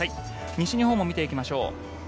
西日本も見ていきましょう。